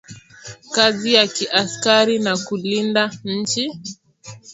Kazi ya ki askari na ku linda inchi